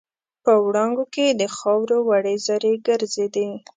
په وړانګو کې د خاوور وړې زرې ګرځېدې.